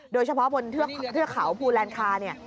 โดยเฉพาะบนเทือกเขาภูแลนคาเนี่ย